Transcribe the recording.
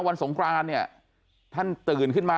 สงครานเนี่ยท่านตื่นขึ้นมา